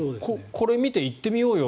これ見て行ってみようよ